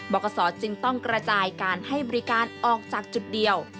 กศจึงต้องกระจายการให้บริการออกจากจุดเดียว